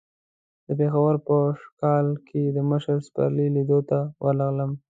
د پېښور په کاکشال کې د مشر پسرلي لیدو ته ورغلم.